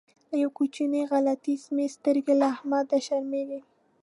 له یوې کوچنۍ غلطۍ مې سترګې له احمده شرمېږي.